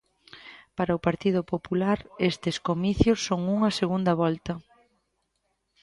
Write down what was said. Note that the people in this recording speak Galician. Para o Partido Popular estes comicios son unha segunda volta.